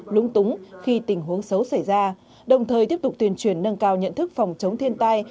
lúng túng khi tình huống xấu xảy ra đồng thời tiếp tục tuyên truyền nâng cao nhận thức phòng chống thiên tai